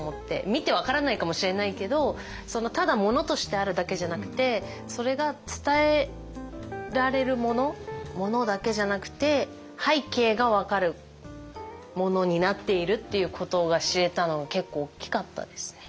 見て分からないかもしれないけどただ物としてあるだけじゃなくてそれが伝えられるもの物だけじゃなくて背景が分かるものになっているっていうことが知れたのは結構大きかったですね。